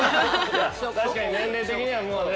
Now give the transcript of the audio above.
確かに年齢的には、もうね。